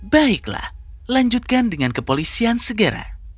baiklah lanjutkan dengan kepolisian segera